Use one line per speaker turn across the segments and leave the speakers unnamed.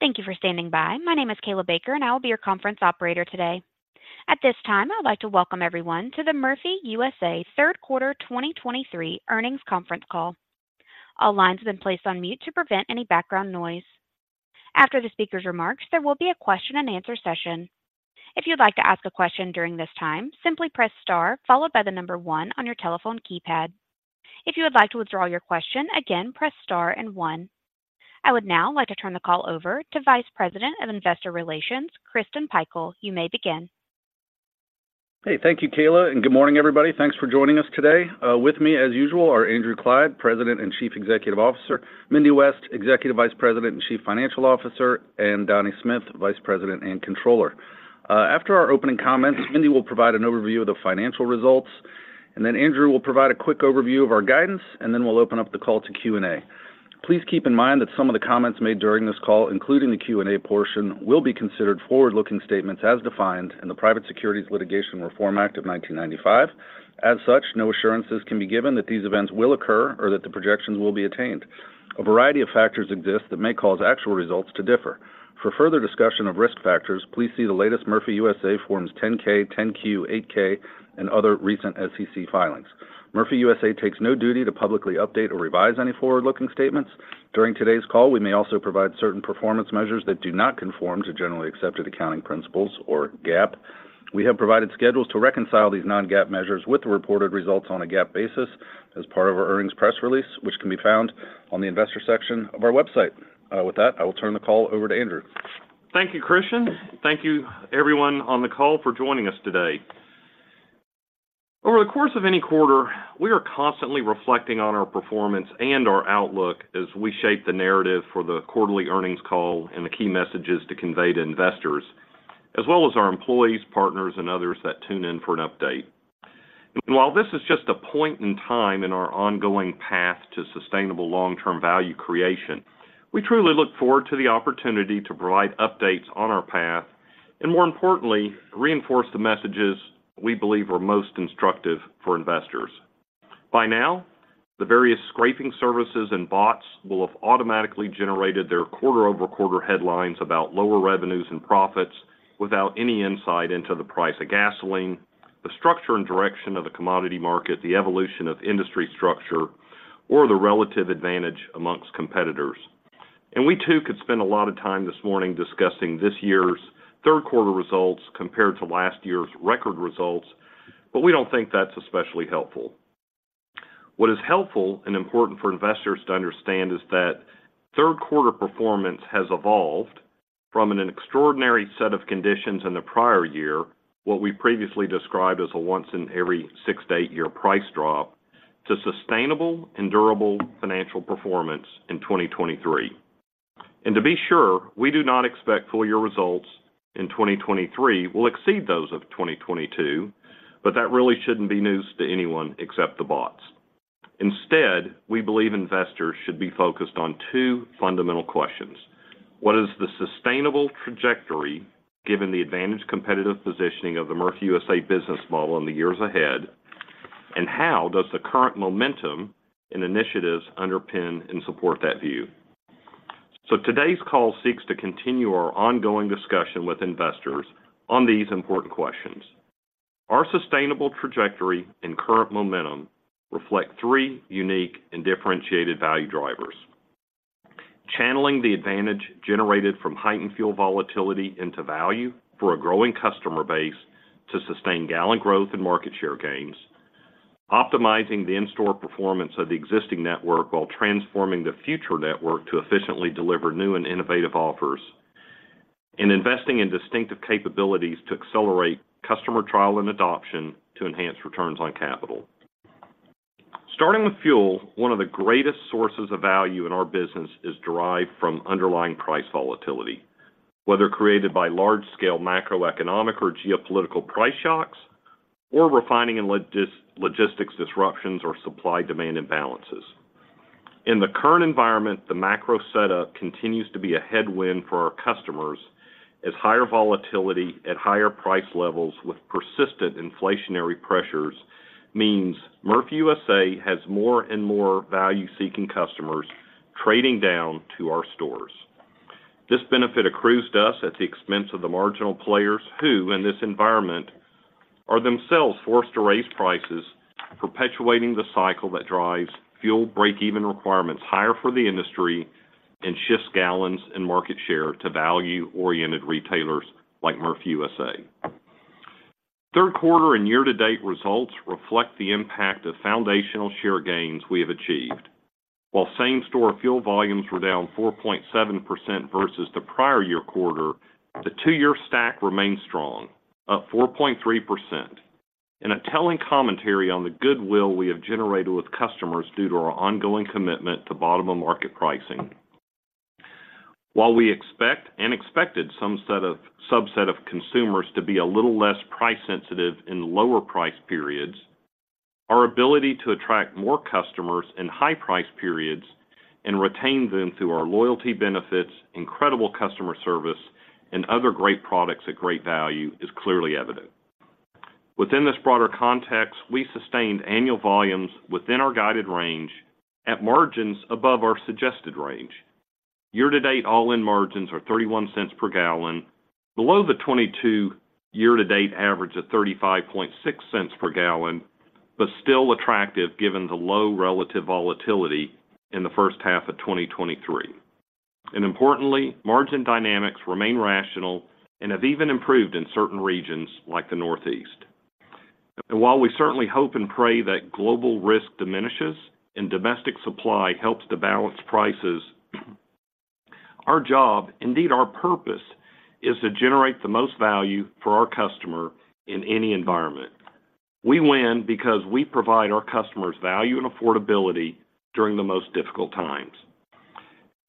Thank you for standing by. My name is Kayla Baker, and I will be your conference operator today. At this time, I'd like to welcome everyone to the Murphy USA Third Quarter 2023 Earnings Conference Call. All lines have been placed on mute to prevent any background noise. After the speaker's remarks, there will be a question-and-answer session. If you'd like to ask a question during this time, simply press star followed by the number one on your telephone keypad. If you would like to withdraw your question again, press star and one. I would now like to turn the call over to Vice President of Investor Relations, Christian Pikul. You may begin.
Hey, thank you, Kayla, and good morning, everybody. Thanks for joining us today. With me, as usual, are Andrew Clyde, President and Chief Executive Officer, Mindy West, Executive Vice President and Chief Financial Officer, and Donnie Smith, Vice President and Controller. After our opening comments, Mindy will provide an overview of the financial results, and then Andrew will provide a quick overview of our guidance, and then we'll open up the call to Q&A. Please keep in mind that some of the comments made during this call, including the Q&A portion, will be considered forward-looking statements as defined in the Private Securities Litigation Reform Act of 1995. As such, no assurances can be given that these events will occur or that the projections will be attained. A variety of factors exist that may cause actual results to differ. For further discussion of risk factors, please see the latest Murphy USA Forms, 10-K, 10-Q, 8-K, and other recent SEC filings. Murphy USA takes no duty to publicly update or revise any forward-looking statements. During today's call, we may also provide certain performance measures that do not conform to generally accepted accounting principles or GAAP. We have provided schedules to reconcile these non-GAAP measures with the reported results on a GAAP basis as part of our earnings press release, which can be found on the Investor Section of our website. With that, I will turn the call over to Andrew.
Thank you, Christian. Thank you everyone on the call for joining us today. Over the course of any quarter, we are constantly reflecting on our performance and our outlook as we shape the narrative for the quarterly earnings call and the key messages to convey to investors, as well as our employees, partners, and others that tune in for an update. While this is just a point in time in our ongoing path to sustainable long-term value creation, we truly look forward to the opportunity to provide updates on our path, and more importantly, reinforce the messages we believe are most instructive for investors. By now, the various scraping services and bots will have automatically generated their quarter-over-quarter headlines about lower revenues and profits without any insight into the price of gasoline, the structure and direction of the commodity market, the evolution of industry structure, or the relative advantage amongst competitors. And we too, could spend a lot of time this morning discussing this year's third quarter results compared to last year's record results, but we don't think that's especially helpful. What is helpful and important for investors to understand is that third quarter performance has evolved from an extraordinary set of conditions in the prior year, what we previously described as a once in every six-to-eight-year price drop, to sustainable and durable financial performance in 2023. To be sure, we do not expect full year results in 2023 will exceed those of 2022, but that really shouldn't be news to anyone except the bots. Instead, we believe investors should be focused on two fundamental questions: What is the sustainable trajectory, given the advantage competitive positioning of the Murphy USA business model in the years ahead? And how does the current momentum and initiatives underpin and support that view? Today's call seeks to continue our ongoing discussion with investors on these important questions. Our sustainable trajectory and current momentum reflect three unique and differentiated value drivers. Channeling the advantage generated from heightened fuel volatility into value for a growing customer base to sustain gallon growth and market share gains, optimizing the in-store performance of the existing network while transforming the future network to efficiently deliver new and innovative offers, and investing in distinctive capabilities to accelerate customer trial and adoption to enhance returns on capital. Starting with fuel, one of the greatest sources of value in our business is derived from underlying price volatility, whether created by large-scale macroeconomic or geopolitical price shocks or refining and logistics disruptions or supply-demand imbalances. In the current environment, the macro setup continues to be a headwind for our customers, as higher volatility at higher price levels with persistent inflationary pressures means Murphy USA has more and more value-seeking customers trading down to our stores. This benefit accrues to us at the expense of the marginal players who, in this environment, are themselves forced to raise prices, perpetuating the cycle that drives fuel break-even requirements higher for the industry and shifts gallons and market share to value-oriented retailers like Murphy USA. Third quarter and year-to-date results reflect the impact of foundational share gains we have achieved. While same-store fuel volumes were down 4.7% versus the prior year quarter, the two-year stack remained strong, up 4.3%. In a telling commentary on the goodwill we have generated with customers due to our ongoing commitment to bottom-of-market pricing. While we expect and expected some subset of consumers to be a little less price sensitive in lower price periods, our ability to attract more customers in high price periods and retain them through our loyalty benefits, incredible customer service, and other great products at great value is clearly evident. Within this broader context, we sustained annual volumes within our guided range at margins above our suggested range. Year-to-date, all-in margins are $0.31 per gallon, below the 2022 year-to-date average of $0.356 per gallon, but still attractive given the low relative volatility in the first half of 2023. Importantly, margin dynamics remain rational and have even improved in certain regions like the Northeast. While we certainly hope and pray that global risk diminishes and domestic supply helps to balance prices, our job, indeed, our purpose, is to generate the most value for our customer in any environment. We win because we provide our customers value and affordability during the most difficult times.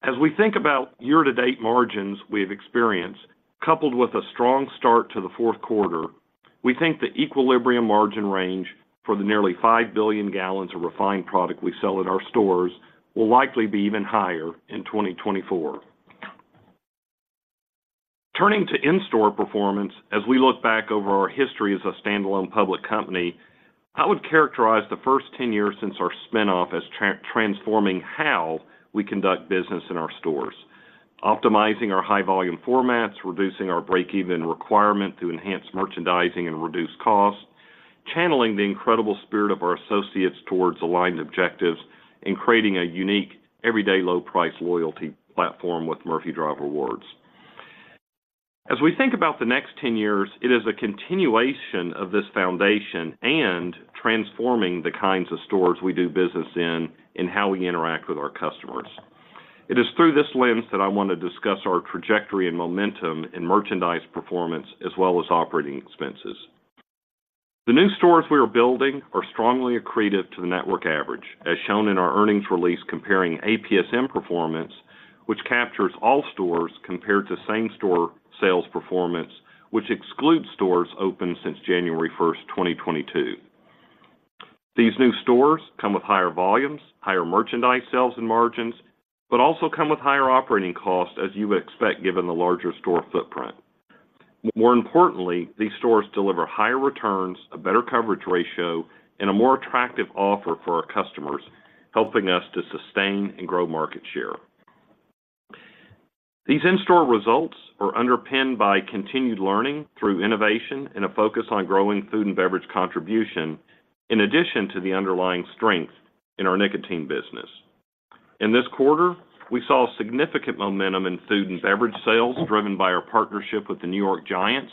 As we think about year-to-date margins we've experienced, coupled with a strong start to the fourth quarter, we think the equilibrium margin range for the nearly 5 billion gallons of refined product we sell at our stores will likely be even higher in 2024. Turning to in-store performance, as we look back over our history as a standalone public company, I would characterize the first 10 years since our spin-off as transforming how we conduct business in our stores, optimizing our high-volume formats, reducing our break-even requirement through enhanced merchandising and reduced costs, channeling the incredible spirit of our associates towards aligned objectives, and creating a unique everyday low price loyalty platform with Murphy Drive Rewards. As we think about the next 10 years, it is a continuation of this foundation and transforming the kinds of stores we do business in and how we interact with our customers. It is through this lens that I want to discuss our trajectory and momentum in merchandise performance, as well as operating expenses. The new stores we are building are strongly accretive to the network average, as shown in our earnings release, comparing APSM performance, which captures all stores, compared to same-store sales performance, which excludes stores opened since January 1, 2022. These new stores come with higher volumes, higher merchandise sales and margins, but also come with higher operating costs, as you would expect, given the larger store footprint. More importantly, these stores deliver higher returns, a better coverage ratio, and a more attractive offer for our customers, helping us to sustain and grow market share. These in-store results are underpinned by continued learning through innovation and a focus on growing food and beverage contribution, in addition to the underlying strength in our nicotine business. In this quarter, we saw significant momentum in food and beverage sales, driven by our partnership with the New York Giants,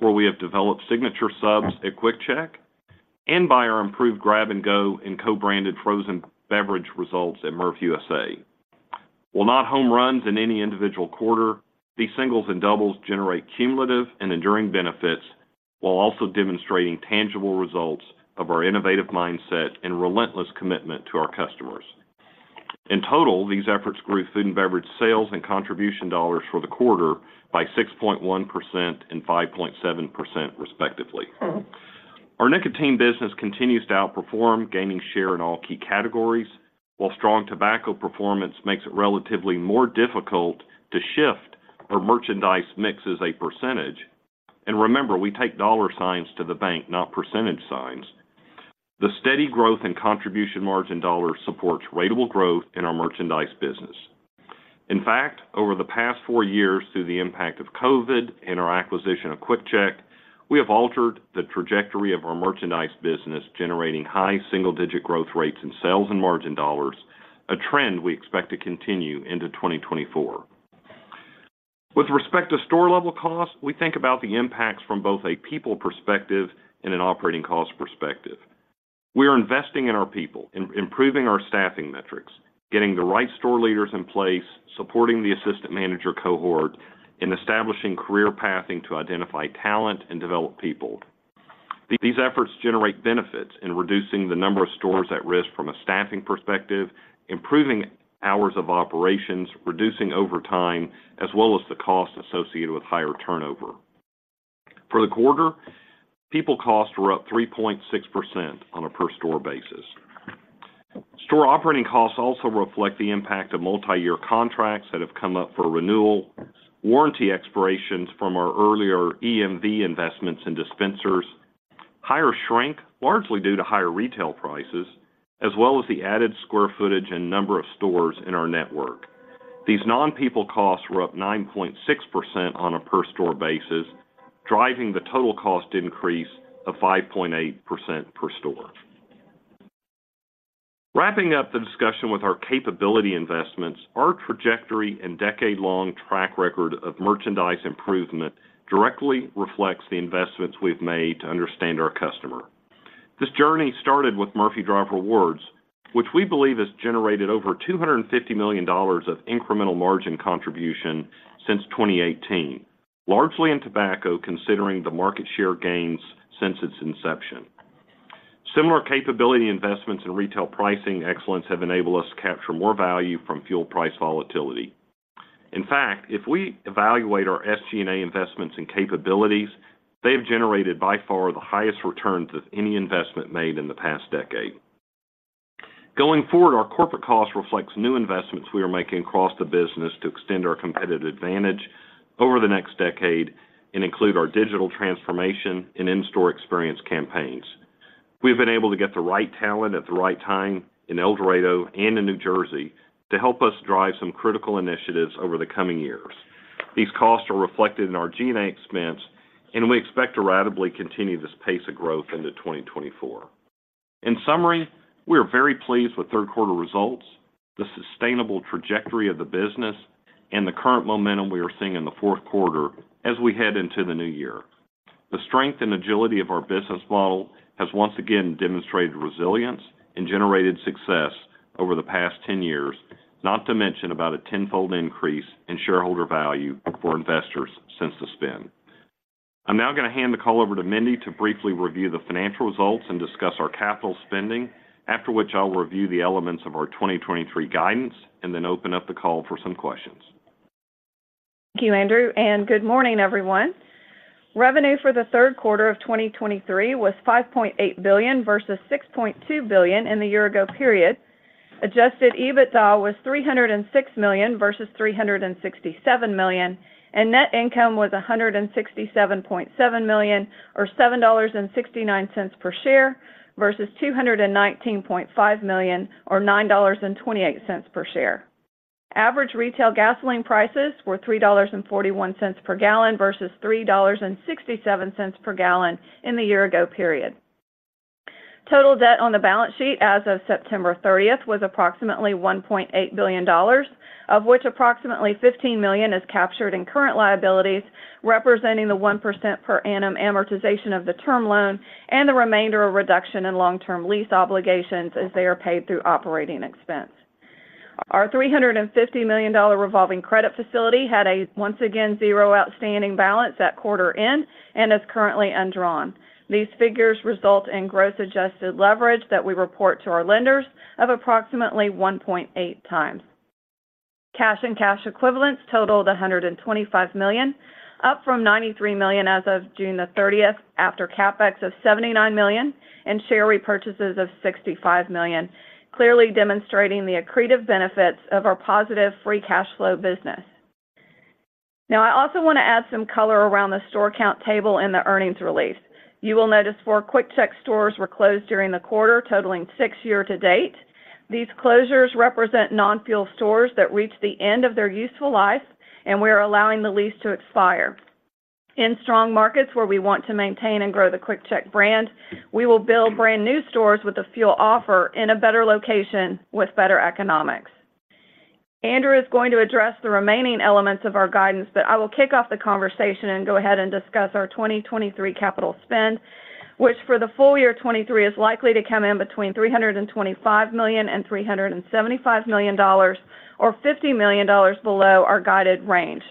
where we have developed signature subs at QuickChek, and by our improved grab-and-go and co-branded frozen beverage results at Murphy USA. While not home runs in any individual quarter, these singles and doubles generate cumulative and enduring benefits while also demonstrating tangible results of our innovative mindset and relentless commitment to our customers. In total, these efforts grew food and beverage sales and contribution dollars for the quarter by 6.1% and 5.7%, respectively. Our nicotine business continues to outperform, gaining share in all key categories, while strong tobacco performance makes it relatively more difficult to shift our merchandise mix as a percentage. Remember, we take dollar signs to the bank, not percentage signs. The steady growth in contribution margin dollars supports ratable growth in our merchandise business. In fact, over the past four years, through the impact of COVID and our acquisition of QuickChek, we have altered the trajectory of our merchandise business, generating high single-digit growth rates in sales and margin dollars, a trend we expect to continue into 2024. With respect to store-level costs, we think about the impacts from both a people perspective and an operating cost perspective. We are investing in our people, improving our staffing metrics, getting the right store leaders in place, supporting the assistant manager cohort, and establishing career pathing to identify talent and develop people. These efforts generate benefits in reducing the number of stores at risk from a staffing perspective, improving hours of operations, reducing overtime, as well as the cost associated with higher turnover. For the quarter, people costs were up 3.6% on a per-store basis. Store operating costs also reflect the impact of multiyear contracts that have come up for renewal, warranty expirations from our earlier EMV investments in dispensers, higher shrink, largely due to higher retail prices, as well as the added square footage and number of stores in our network. These non-people costs were up 9.6% on a per-store basis, driving the total cost increase of 5.8% per store. Wrapping up the discussion with our capability investments, our trajectory and decade-long track record of merchandise improvement directly reflects the investments we've made to understand our customer. This journey started with Murphy Drive Rewards, which we believe has generated over $250 million of incremental margin contribution since 2018, largely in tobacco, considering the market share gains since its inception. Similar capability investments in retail pricing excellence have enabled us to capture more value from fuel price volatility. In fact, if we evaluate our SG&A investments and capabilities, they have generated by far the highest returns of any investment made in the past decade. Going forward, our corporate cost reflects new investments we are making across the business to extend our competitive advantage over the next decade and include our digital transformation and in-store experience campaigns. We've been able to get the right talent at the right time in El Dorado and in New Jersey to help us drive some critical initiatives over the coming years. These costs are reflected in our SG&A expense, and we expect to ratably continue this pace of growth into 2024. In summary, we are very pleased with third quarter results, the sustainable trajectory of the business, and the current momentum we are seeing in the fourth quarter as we head into the new year. The strength and agility of our business model has once again demonstrated resilience and generated success over the past 10 years, not to mention about a tenfold increase in shareholder value for investors since the spin. I'm now gonna hand the call over to Mindy to briefly review the financial results and discuss our capital spending, after which I'll review the elements of our 2023 guidance and then open up the call for some questions.
Thank you, Andrew, and good morning, everyone. Revenue for the third quarter of 2023 was $5.8 billion versus $6.2 billion in the year ago period. Adjusted EBITDA was $306 million versus $367 million, and net income was $167.7 million, or $7.69 per share, versus $219.5 million, or $9.28 per share. Average retail gasoline prices were $3.41 per gallon versus $3.67 per gallon in the year ago period. Total debt on the balance sheet as of September 30 was approximately $1.8 billion, of which approximately $15 million is captured in current liabilities, representing the 1% per annum amortization of the term loan and the remainder a reduction in long-term lease obligations as they are paid through operating expense. Our $350 million revolving credit facility had a, once again, 0 outstanding balance at quarter end and is currently undrawn. These figures result in gross adjusted leverage that we report to our lenders of approximately 1.8x. Cash and cash equivalents totaled $125 million, up from $93 million as of June 30, after CapEx of $79 million and share repurchases of $65 million, clearly demonstrating the accretive benefits of our positive free cash flow business. Now, I also want to add some color around the store count table in the earnings release. You will notice 4 QuickChek stores were closed during the quarter, totaling 6 year to date. These closures represent non-fuel stores that reached the end of their useful life, and we are allowing the lease to expire. In strong markets where we want to maintain and grow the QuickChek brand, we will build brand-new stores with a fuel offer in a better location with better economics. Andrew is going to address the remaining elements of our guidance, but I will kick off the conversation and go ahead and discuss our 2023 capital spend, which for the full year 2023 is likely to come in between $325 million and $375 million or $50 million below our guided range.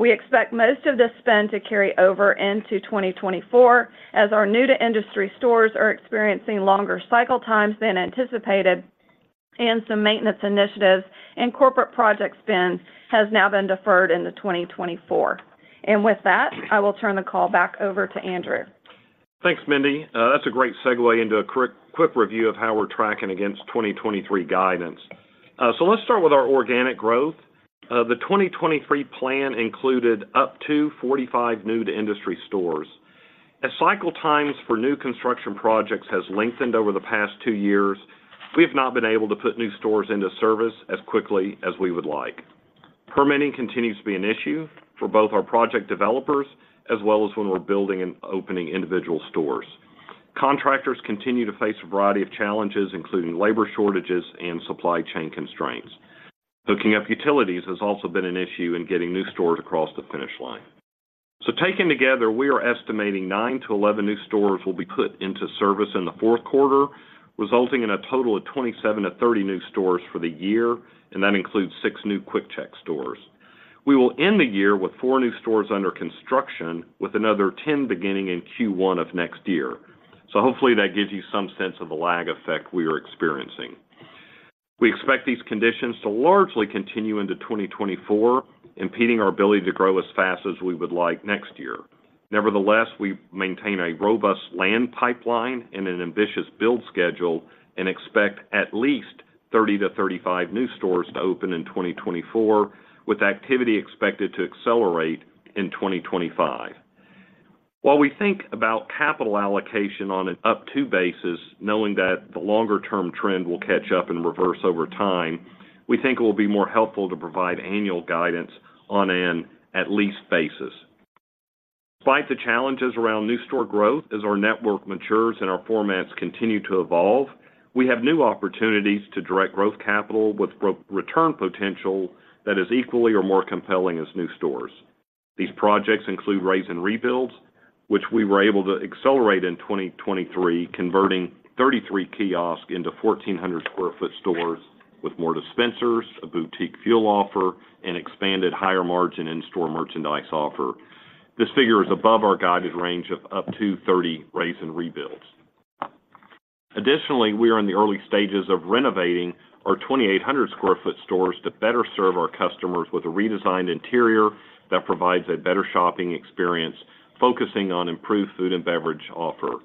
We expect most of this spend to carry over into 2024, as our new-to-industry stores are experiencing longer cycle times than anticipated, and some maintenance initiatives and corporate project spend has now been deferred into 2024. With that, I will turn the call back over to Andrew.
Thanks, Mindy. That's a great segue into a quick review of how we're tracking against 2023 guidance. So let's start with our organic growth. The 2023 plan included up to 45 new-to-industry stores. As cycle times for new construction projects has lengthened over the past two years, we have not been able to put new stores into service as quickly as we would like. Permitting continues to be an issue for both our project developers as well as when we're building and opening individual stores. Contractors continue to face a variety of challenges, including labor shortages and supply chain constraints. Hooking up utilities has also been an issue in getting new stores across the finish line. So taken together, we are estimating nine to 11 new stores will be put into service in the fourth quarter, resulting in a total of 27-30 new stores for the year, and that includes six new QuickChek stores. We will end the year with four new stores under construction, with another 10 beginning in Q1 of next year. So hopefully that gives you some sense of the lag effect we are experiencing. We expect these conditions to largely continue into 2024, impeding our ability to grow as fast as we would like next year. Nevertheless, we maintain a robust land pipeline and an ambitious build schedule and expect at least 30-35 new stores to open in 2024, with activity expected to accelerate in 2025. While we think about capital allocation on an up-to basis, knowing that the longer-term trend will catch up and reverse over time, we think it will be more helpful to provide annual guidance on an at-least basis. Despite the challenges around new store growth, as our network matures and our formats continue to evolve, we have new opportunities to direct growth capital with greater return potential that is equally or more compelling as new stores. These projects include raze and rebuilds, which we were able to accelerate in 2023, converting 33 kiosks into 1,400 sq ft stores with more dispensers, a boutique fuel offer, and expanded higher-margin in-store merchandise offer. This figure is above our guided range of up to 30 raze and rebuilds. Additionally, we are in the early stages of renovating our 2,800 sq ft stores to better serve our customers with a redesigned interior that provides a better shopping experience, focusing on improved food and beverage offer.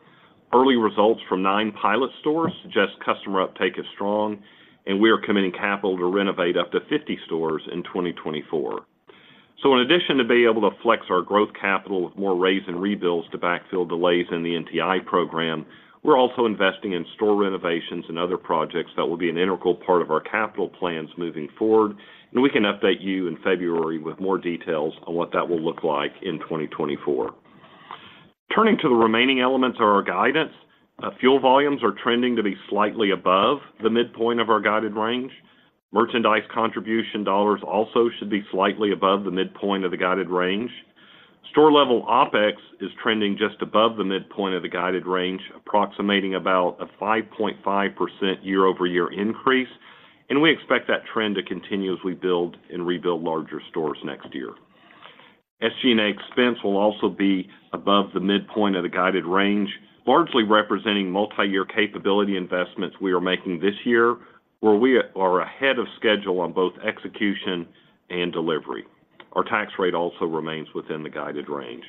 Early results from 9 pilot stores suggest customer uptake is strong, and we are committing capital to renovate up to 50 stores in 2024. So in addition to being able to flex our growth capital with more raze and rebuilds to backfill delays in the NTI program, we're also investing in store renovations and other projects that will be an integral part of our capital plans moving forward. We can update you in February with more details on what that will look like in 2024. Turning to the remaining elements of our guidance, fuel volumes are trending to be slightly above the midpoint of our guided range. Merchandise contribution dollars also should be slightly above the midpoint of the guided range. Store-level OpEx is trending just above the midpoint of the guided range, approximating about a 5.5% year-over-year increase, and we expect that trend to continue as we build and rebuild larger stores next year. SG&A expense will also be above the midpoint of the guided range, largely representing multi-year capability investments we are making this year, where we are ahead of schedule on both execution and delivery. Our tax rate also remains within the guided range.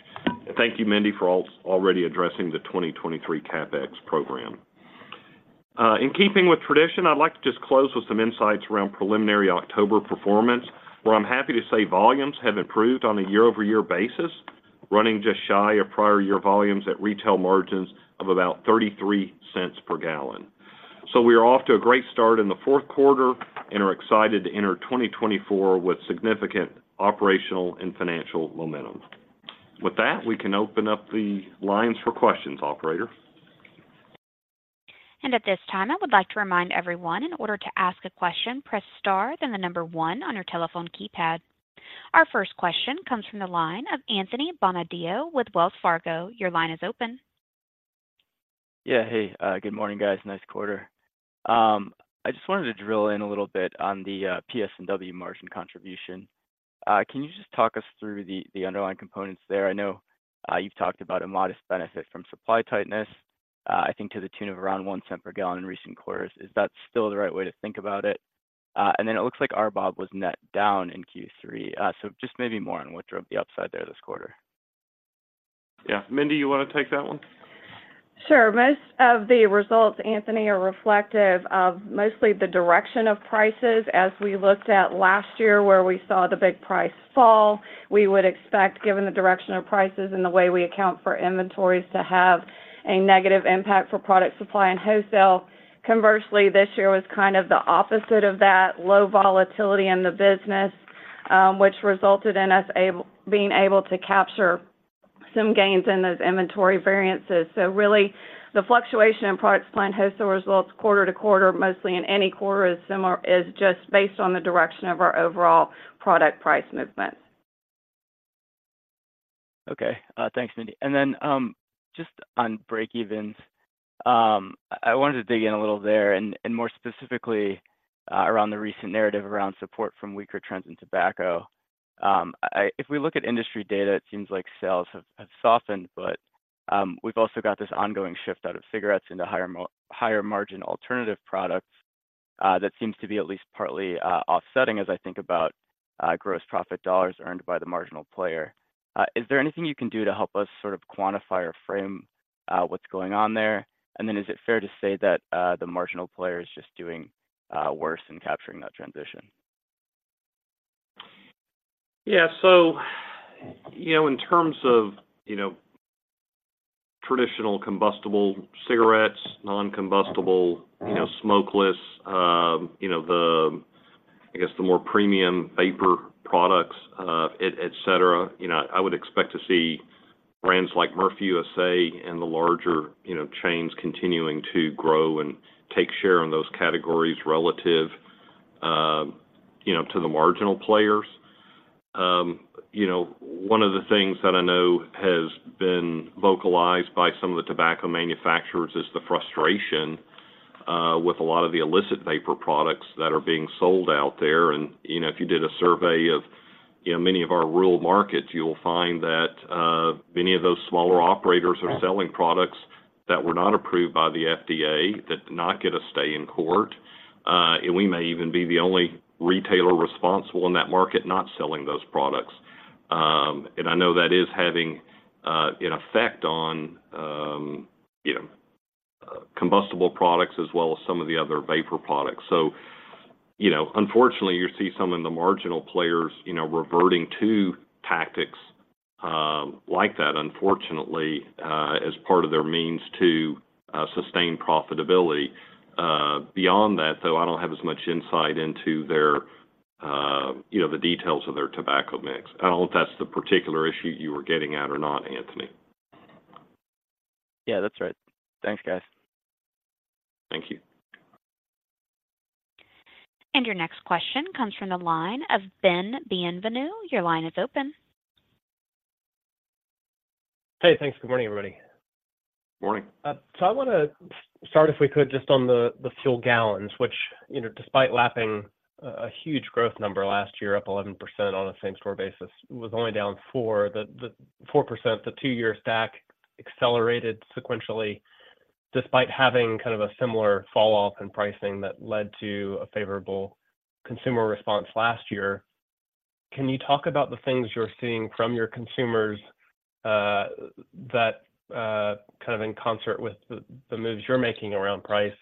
Thank you, Mindy, for already addressing the 2023 CapEx program. In keeping with tradition, I'd like to just close with some insights around preliminary October performance, where I'm happy to say volumes have improved on a year-over-year basis, running just shy of prior year volumes at retail margins of about $0.33 per gallon. We are off to a great start in the fourth quarter and are excited to enter 2024 with significant operational and financial momentum. With that, we can open up the lines for questions, operator.
At this time, I would like to remind everyone, in order to ask a question, press star, then the number one on your telephone keypad. Our first question comes from the line of Anthony Bonadio with Wells Fargo. Your line is open.
Yeah. Hey, good morning, guys. Nice quarter. I just wanted to drill in a little bit on the PS&W margin contribution. Can you just talk us through the underlying components there? I know, you've talked about a modest benefit from supply tightness. I think to the tune of around $0.01 per gallon in recent quarters. Is that still the right way to think about it? And then it looks like RBOB was net down in Q3. So just maybe more on what drove the upside there this quarter.
Yeah. Mindy, you want to take that one?
Sure. Most of the results, Anthony, are reflective of mostly the direction of prices. As we looked at last year, where we saw the big price fall, we would expect, given the direction of prices and the way we account for inventories, to have a negative impact for product supply and wholesale. Conversely, this year was kind of the opposite of that, low volatility in the business, which resulted in us being able to capture some gains in those inventory variances. So really, the fluctuation in product supply and wholesale results quarter to quarter, mostly in any quarter, is just based on the direction of our overall product price movement.
Okay. Thanks, Mindy. Then, just on breakevens, I wanted to dig in a little there and more specifically, around the recent narrative around support from weaker trends in tobacco. If we look at industry data, it seems like sales have softened, but we've also got this ongoing shift out of cigarettes into higher-margin alternative products that seems to be at least partly offsetting as I think about gross profit dollars earned by the marginal player. Is there anything you can do to help us sort of quantify or frame what's going on there? Then is it fair to say that the marginal player is just doing worse in capturing that transition?
Yeah. So, you know, in terms of, you know, traditional combustible cigarettes, non-combustible, you know, smokeless, you know, the, I guess, the more premium vapor products, et cetera, you know, I would expect to see brands like Murphy USA and the larger, you know, chains continuing to grow and take share on those categories relative, you know, to the marginal players. You know, one of the things that I know has been vocalized by some of the tobacco manufacturers is the frustration with a lot of the illicit vapor products that are being sold out there. And, you know, if you did a survey of, you know, many of our rural markets, you'll find that, many of those smaller operators are selling products that were not approved by the FDA, that did not get a stay in court, and we may even be the only retailer responsible in that market not selling those products. And I know that is having, an effect on, you know, combustible products as well as some of the other vapor products. So, you know, unfortunately, you see some of the marginal players, you know, reverting to tactics, like that, unfortunately, as part of their means to, sustain profitability. Beyond that, though, I don't have as much insight into their, you know, the details of their tobacco mix. I don't know if that's the particular issue you were getting at or not, Anthony.
Yeah, that's right. Thanks, guys.
Thank you.
Your next question comes from the line of Ben Bienvenu. Your line is open.
Hey, thanks. Good morning, everybody.
Morning.
So, I wanna start, if we could, just on the fuel gallons, which, you know, despite lapping a huge growth number last year, up 11% on a same store basis, was only down 4%. The 4%, the two-year stack accelerated sequentially, despite having kind of a similar fall off in pricing that led to a favorable consumer response last year. Can you talk about the things you're seeing from your consumers, that kind of in concert with the moves you're making around price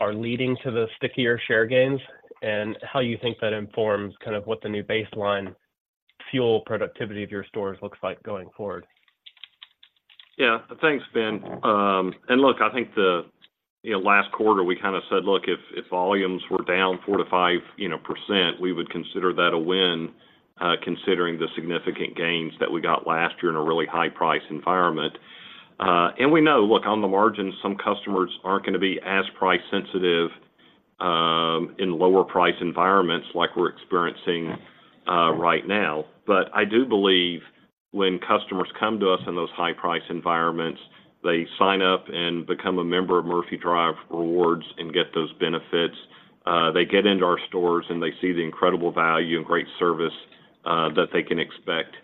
are leading to the stickier share gains? And how you think that informs kind of what the new baseline fuel productivity of your stores looks like going forward?
Yeah. Thanks, Ben. And look, I think, you know, last quarter, we kind of said, "Look, if volumes were down 4%-5%, you know, we would consider that a win, considering the significant gains that we got last year in a really high price environment." And we know, look, on the margin, some customers aren't gonna be as price sensitive in lower price environments like we're experiencing right now. But I do believe when customers come to us in those high price environments, they sign up and become a member of Murphy Drive Rewards and get those benefits. They get into our stores, and they see the incredible value and great service that they can expect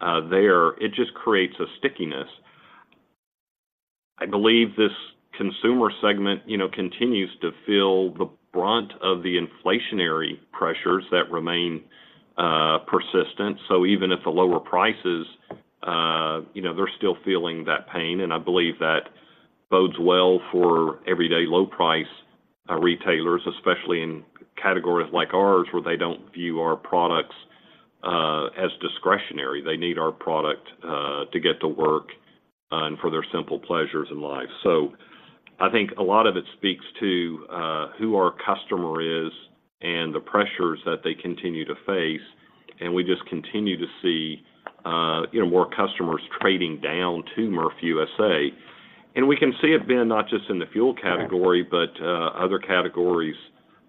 there. It just creates a stickiness. I believe this consumer segment, you know, continues to feel the brunt of the inflationary pressures that remain persistent. So even at the lower prices, you know, they're still feeling that pain, and I believe that bodes well for everyday low price retailers, especially in categories like ours, where they don't view our products as discretionary. They need our product to get to work and for their simple pleasures in life. So I think a lot of it speaks to who our customer is and the pressures that they continue to face, and we just continue to see, you know, more customers trading down to Murphy USA. We can see it, Ben, not just in the fuel category, but other categories,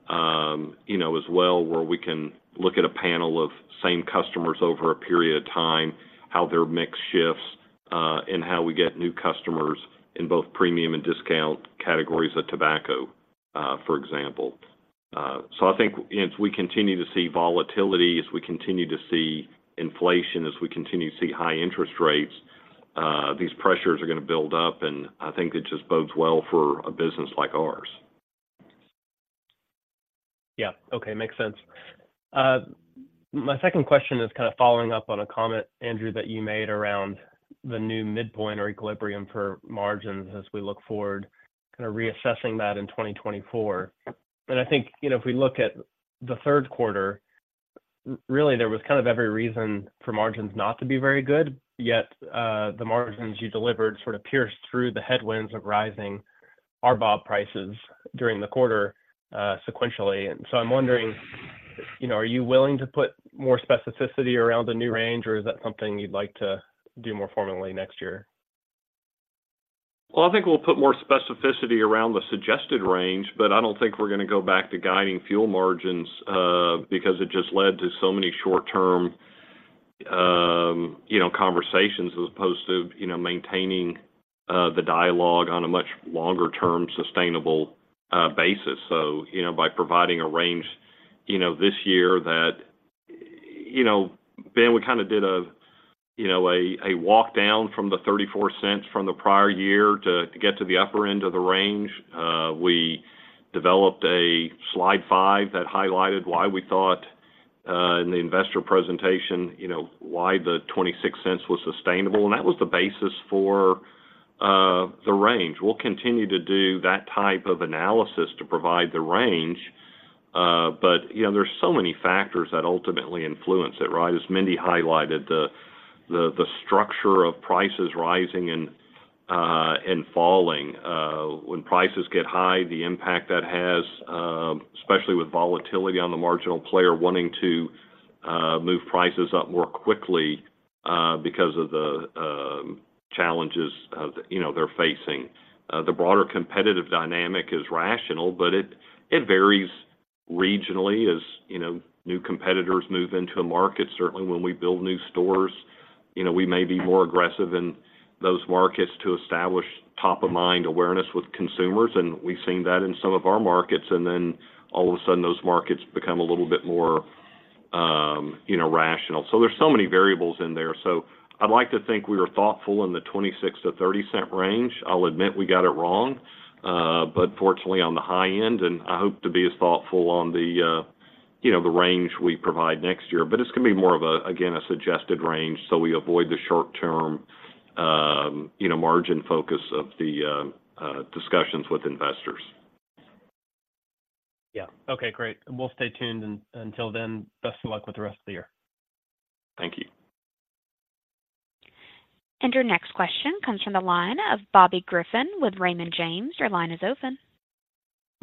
you know, as well, where we can look at a panel of same customers over a period of time, how their mix shifts, and how we get new customers in both premium and discount categories of tobacco, for example. So I think as we continue to see volatility, as we continue to see inflation, as we continue to see high interest rates, these pressures are gonna build up, and I think it just bodes well for a business like ours.
Yeah. Okay, makes sense. My second question is kind of following up on a comment, Andrew, that you made around the new midpoint or equilibrium for margins as we look forward, kind of reassessing that in 2024. And I think, you know, if we look at the third quarter, really, there was kind of every reason for margins not to be very good, yet, the margins you delivered sort of pierced through the headwinds of rising RBOB prices during the quarter, sequentially. And so I'm wondering, you know, are you willing to put more specificity around the new range, or is that something you'd like to do more formally next year?
Well, I think we'll put more specificity around the suggested range, but I don't think we're gonna go back to guiding fuel margins, because it just led to so many short-term, you know, conversations, as opposed to, you know, maintaining the dialogue on a much longer term, sustainable basis. So, you know, by providing a range, you know, this year that. You know, Ben, we kind of did a walk down from the $0.34 from the prior year to get to the upper end of the range. We developed a slide 5 that highlighted why we thought, in the investor presentation, you know, why the $0.26 was sustainable, and that was the basis for the range. We'll continue to do that type of analysis to provide the range, but, you know, there's so many factors that ultimately influence it, right? As Mindy highlighted, the structure of prices rising and falling. When prices get high, the impact that has, especially with volatility on the marginal player, wanting to move prices up more quickly, because of the challenges, you know, they're facing. The broader competitive dynamic is rational, but it varies regionally as, you know, new competitors move into a market. Certainly, when we build new stores, you know, we may be more aggressive in those markets to establish top-of-mind awareness with consumers, and we've seen that in some of our markets. And then all of a sudden, those markets become a little bit more, you know, rational. There's so many variables in there. I'd like to think we were thoughtful in the $0.26-$0.30 range. I'll admit we got it wrong, but fortunately, on the high end, and I hope to be as thoughtful on the, you know, the range we provide next year. But it's gonna be more of a, again, a suggested range, so we avoid the short term, you know, margin focus of the discussions with investors.
Yeah. Okay, great. We'll stay tuned, and until then, best of luck with the rest of the year.
Thank you.
Your next question comes from the line of Bobby Griffin with Raymond James. Your line is open.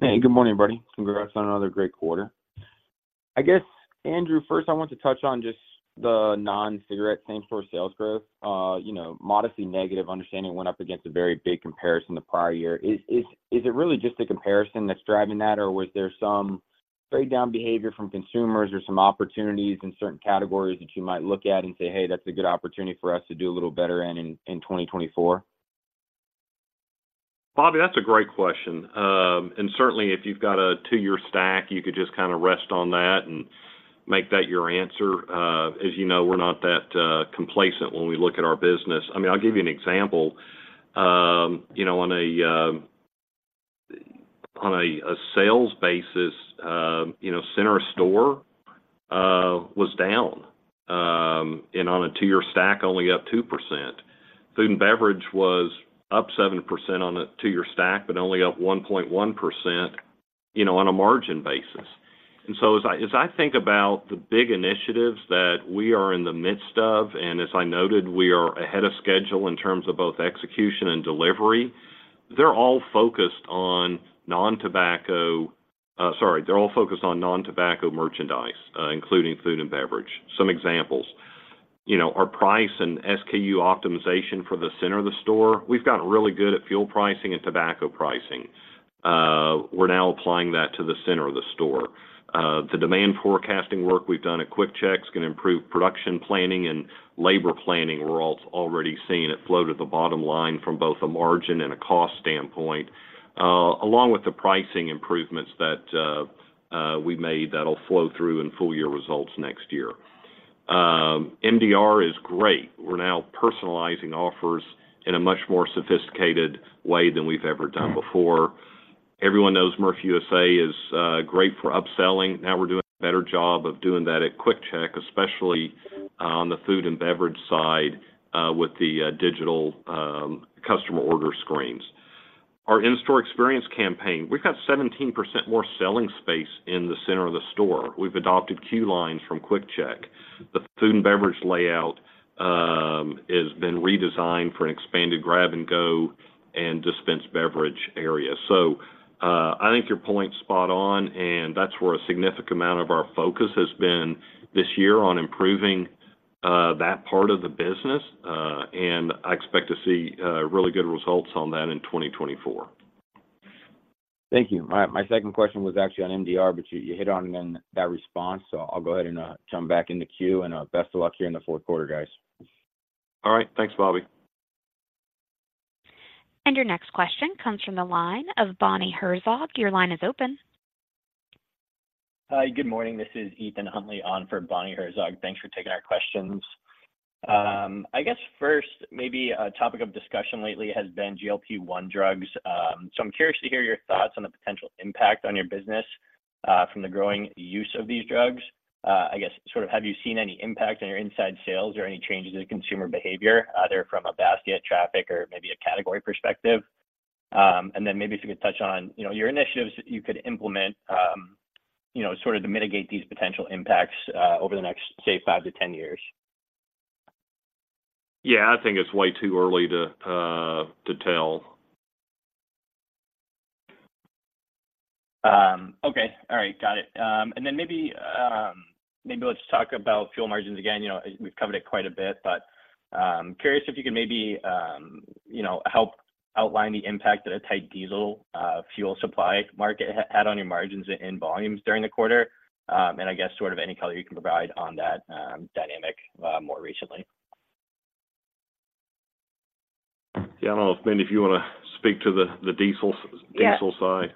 Hey, good morning, everybody. Congrats on another great quarter. I guess, Andrew, first I want to touch on just the non-cigarette same-store sales growth. You know, modestly negative, understanding we went up against a very big comparison the prior year. Is it really just a comparison that's driving that, or was there some trade-down behavior from consumers or some opportunities in certain categories that you might look at and say, "Hey, that's a good opportunity for us to do a little better in 2024?
Bobby, that's a great question. Certainly, if you've got a two-year stack, you could just kind of rest on that and make that your answer. As you know, we're not that complacent when we look at our business. I mean, I'll give you an example. You know, on a sales basis, you know, center store was down, and on a two-year stack, only up 2%. Food and beverage was up 7% on a two-year stack, but only up 1.1%, you know, on a margin basis. And so as I think about the big initiatives that we are in the midst of, and as I noted, we are ahead of schedule in terms of both execution and delivery, they're all focused on non-tobacco merchandise, including food and beverage. Some examples. You know, our price and SKU optimization for the center of the store, we've gotten really good at fuel pricing and tobacco pricing. We're now applying that to the center of the store. The demand forecasting work we've done at QuickChek is going to improve production planning and labor planning. We're already seeing it flow to the bottom line from both a margin and a cost standpoint, along with the pricing improvements that we made, that'll flow through in full year results next year. MDR is great. We're now personalizing offers in a much more sophisticated way than we've ever done before. Everyone knows Murphy USA is great for upselling. Now, we're doing a better job of doing that at QuickChek, especially on the food and beverage side with the digital customer order screens. Our in-store experience campaign, we've got 17% more selling space in the center of the store. We've adopted queuing lines from QuickChek. The food and beverage layout has been redesigned for an expanded grab-and-go and dispensed beverage area. So I think your point's spot on, and that's where a significant amount of our focus has been this year on improving that part of the business. And I expect to see really good results on that in 2024.
Thank you. My second question was actually on MDR, but you hit on it in that response, so I'll go ahead and jump back in the queue, and best of luck here in the fourth quarter, guys.
All right. Thanks, Bobby.
Your next question comes from the line of Bonnie Herzog from Goldman Sachs. Your line is open.
Hi, good morning. This is Ethan Huntley on for Bonnie Herzog. Thanks for taking our questions. I guess first, maybe a topic of discussion lately has been GLP-1 drugs. So I'm curious to hear your thoughts on the potential impact on your business from the growing use of these drugs. I guess, sort of have you seen any impact on your inside sales or any changes in consumer behavior, either from a basket traffic or maybe a category perspective? And then maybe if you could touch on, you know, your initiatives that you could implement, you know, sort of to mitigate these potential impacts over the next, say, five to 10 years.
Yeah, I think it's way too early to, to tell.
Okay. All right. Got it. And then maybe, maybe let's talk about fuel margins again. You know, we've covered it quite a bit, but, curious if you could maybe, you know, help outline the impact that a tight diesel fuel supply market had on your margins and volumes during the quarter, and I guess sort of any color you can provide on that dynamic, more recently.
Yeah, I don't know, Mindy, if you want to speak to the diesel side.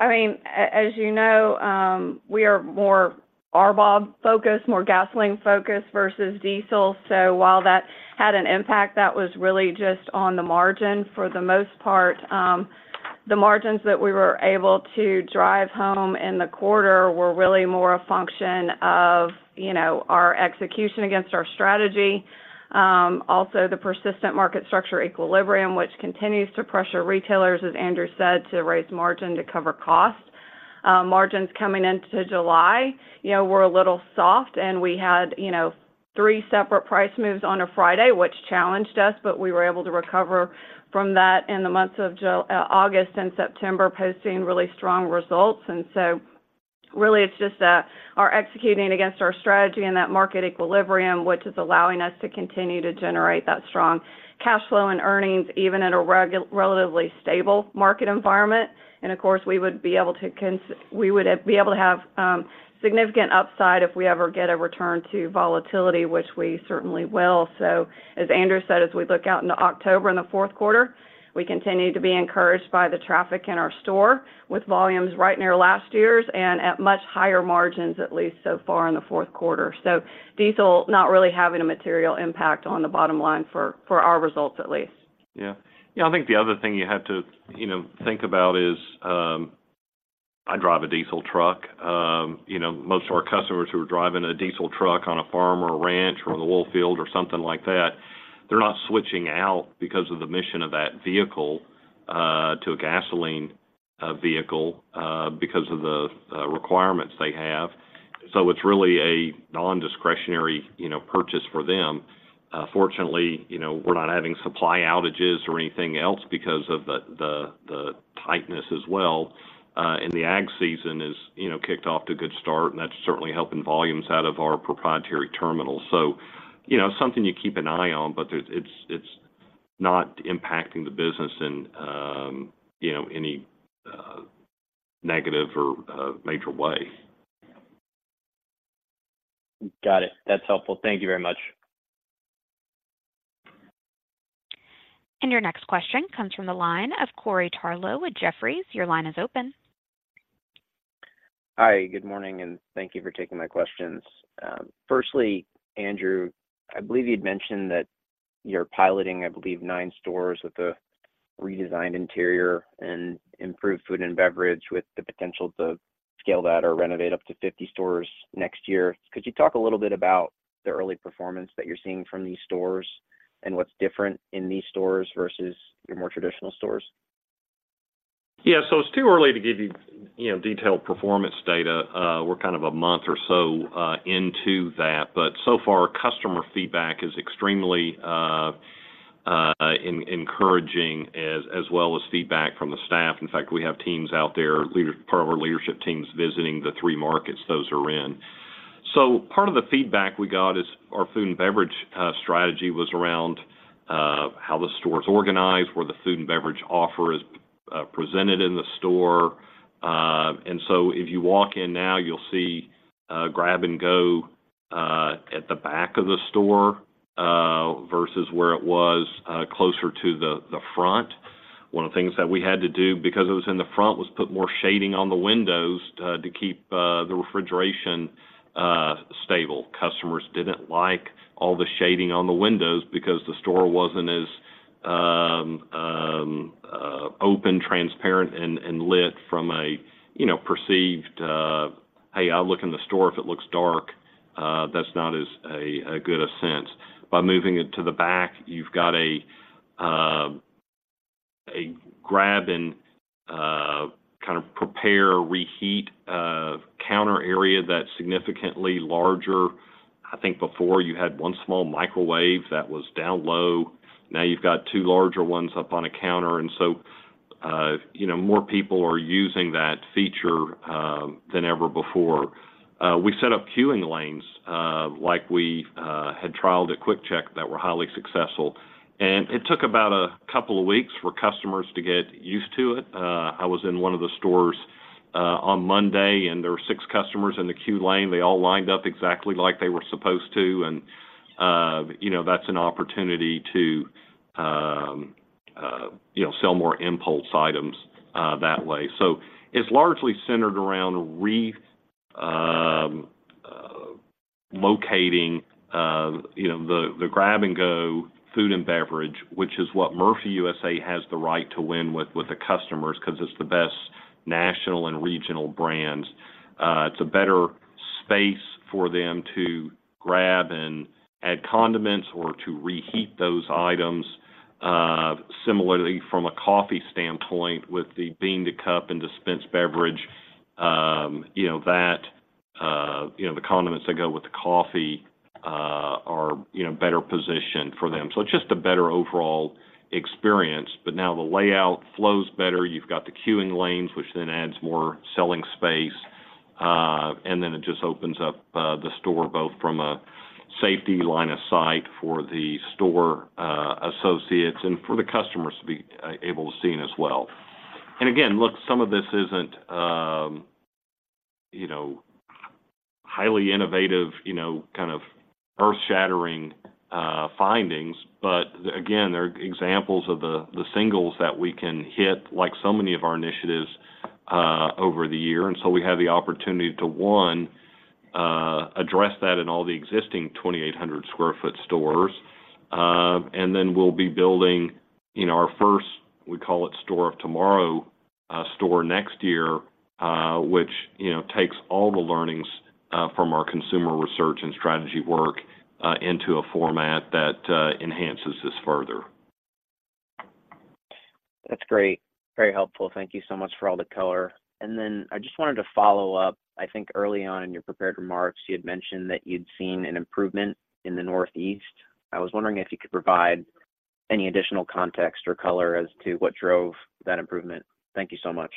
I mean, as you know, we are more RBOB-focused, more gasoline-focused versus diesel. So while that had an impact, that was really just on the margin. For the most part, the margins that we were able to drive home in the quarter were really more a function of, you know, our execution against our strategy, also the persistent market structure equilibrium, which continues to pressure retailers, as Andrew said, to raise margin to cover costs. Margins coming into July, you know, were a little soft, and we had, you know, three separate price moves on a Friday, which challenged us, but we were able to recover from that in the months of July, August and September, posting really strong results. And so really, it's just that we're executing against our strategy and that market equilibrium, which is allowing us to continue to generate that strong cash flow and earnings, even at a relatively stable market environment. And of course, we would be able to have significant upside if we ever get a return to volatility, which we certainly will. So as Andrew said, as we look out into October and the fourth quarter, we continue to be encouraged by the traffic in our store, with volumes right near last year's and at much higher margins, at least so far in the fourth quarter. So diesel not really having a material impact on the bottom line for our results, at least.
Yeah. Yeah, I think the other thing you have to, you know, think about is, I drive a diesel truck. You know, most of our customers who are driving a diesel truck on a farm or a ranch or in the oil field or something like that, they're not switching out because of the emissions of that vehicle to a gasoline vehicle because of the requirements they have. So it's really a non-discretionary, you know, purchase for them. Fortunately, you know, we're not having supply outages or anything else because of the tightness as well. And the ag season is, you know, kicked off to a good start, and that's certainly helping volumes out of our proprietary terminals. So, you know, something you keep an eye on, but it's not impacting the business in, you know, any negative or major way.
Got it. That's helpful. Thank you very much.
Your next question comes from the line of Corey Tarlowe with Jefferies. Your line is open.
Hi, good morning, and thank you for taking my questions. Firstly, Andrew, I believe you'd mentioned that you're piloting, I believe, 9 stores with the redesigned interior and improved food and beverage, with the potential to scale that or renovate up to 50 stores next year. Could you talk a little bit about the early performance that you're seeing from these stores and what's different in these stores versus your more traditional stores?
Yeah, so it's too early to give you, you know, detailed performance data. We're kind of a month or so into that, but so far, customer feedback is extremely encouraging as well as feedback from the staff. In fact, we have teams out there, part of our leadership teams visiting the three markets those are in. So part of the feedback we got is our food and beverage strategy was around how the store is organized, where the food and beverage offer is presented in the store. And so if you walk in now, you'll see grab-and-go at the back of the store versus where it was closer to the front. One of the things that we had to do, because it was in the front, was put more shading on the windows to keep the refrigeration stable. Customers didn't like all the shading on the windows because the store wasn't as open, transparent, and lit from a, you know, perceived. Hey, I look in the store, if it looks dark, that's not as a good sense. By moving it to the back, you've got a grab and kind of prepare, reheat counter area that's significantly larger. I think before you had one small microwave that was down low, now you've got two larger ones up on a counter. And so, you know, more people are using that feature than ever before. We set up queuing lanes, like we had trialed at QuickChek that were highly successful, and it took about a couple of weeks for customers to get used to it. I was in one of the stores on Monday, and there were six customers in the queue lane. They all lined up exactly like they were supposed to, and you know, that's an opportunity to you know, sell more impulse items that way. So it's largely centered around relocating, you know, the grab-and-go food and beverage, which is what Murphy USA has the right to win with, with the customers, 'cause it's the best national and regional brands. It's a better space for them to grab and add condiments or to reheat those items. Similarly, from a coffee standpoint, with the bean to cup and dispensed beverage, you know, that, you know, the condiments that go with the coffee, are, you know, better positioned for them. So it's just a better overall experience. But now the layout flows better. You've got the queuing lanes, which then adds more selling space. And then it just opens up, the store, both from a safety line of sight for the store, associates and for the customers to be, able to see in as well. And again, look, some of this isn't, you know, highly innovative, you know, kind of earth-shattering, findings, but again, they're examples of the, the singles that we can hit, like so many of our initiatives, over the year. And so we have the opportunity to, one, address that in all the existing 2,800 sq ft stores. And then we'll be building, you know, our first, we call it Store of Tomorrow, store next year, which, you know, takes all the learnings, from our consumer research and strategy work, into a format that enhances this further.
That's great. Very helpful. Thank you so much for all the color. And then I just wanted to follow up. I think early on in your prepared remarks, you had mentioned that you'd seen an improvement in the Northeast. I was wondering if you could provide any additional context or color as to what drove that improvement. Thank you so much.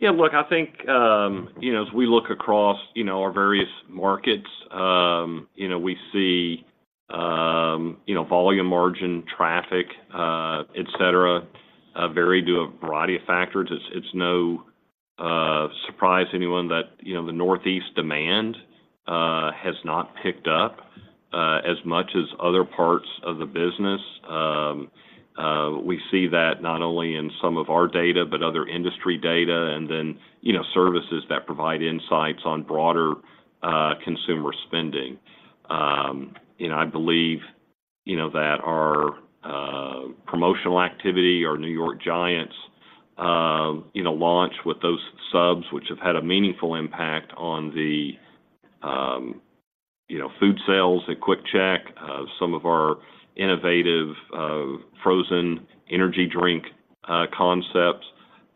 Yeah, look, I think, you know, as we look across, you know, our various markets, you know, we see, you know, volume, margin, traffic, et cetera, vary due to a variety of factors. It's no surprise to anyone that, you know, the Northeast demand has not picked up as much as other parts of the business. We see that not only in some of our data, but other industry data, and then, you know, services that provide insights on broader consumer spending. You know, I believe, you know, that our promotional activity, our New York Giants launch with those subs, which have had a meaningful impact on the, you know, food sales at QuickChek.Some of our innovative frozen energy drink concepts,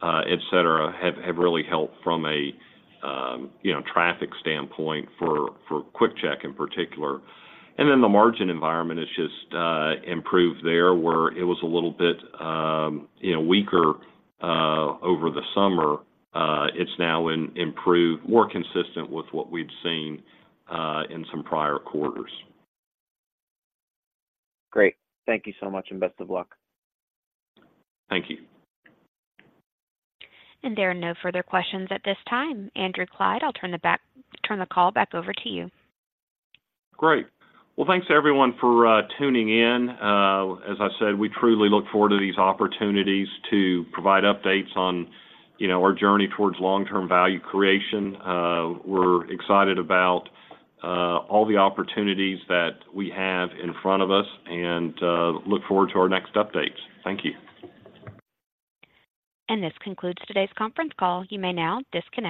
et cetera, have really helped from a, you know, traffic standpoint for QuickChek in particular. And then the margin environment has just improved there, where it was a little bit, you know, weaker over the summer. It's now improved, more consistent with what we've seen in some prior quarters.
Great. Thank you so much, and best of luck.
Thank you.
There are no further questions at this time. Andrew Clyde, I'll turn the call back over to you.
Great. Well, thanks, everyone, for tuning in. As I said, we truly look forward to these opportunities to provide updates on, you know, our journey towards long-term value creation. We're excited about all the opportunities that we have in front of us and look forward to our next updates. Thank you.
This concludes today's conference call. You may now disconnect.